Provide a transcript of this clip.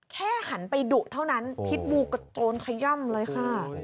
หันไปดุเท่านั้นพิษบูกระโจนขย่ำเลยค่ะ